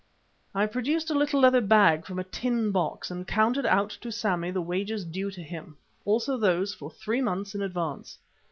I produced a little leather bag from a tin box and counted out to Sammy the wages due to him, also those for three months in advance.